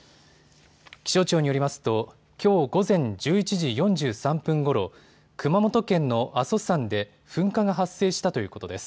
気象庁によりますときょう午前１１時４３分ごろ、熊本県の阿蘇山で噴火が発生したということです。